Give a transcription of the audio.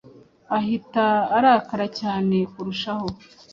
ahita arakara cyane kurushaho